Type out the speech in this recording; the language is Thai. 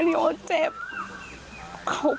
ริโอเจ็บขอบคุณแล้วก็